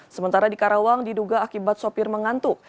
sementara di karawang diduga akibat sopir mengantuk